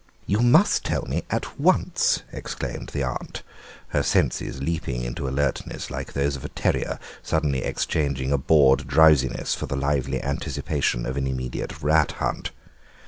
"You must tell me at once," exclaimed the aunt, her senses leaping into alertness like those of a terrier suddenly exchanging a bored drowsiness for the lively anticipation of an immediate rat hunt.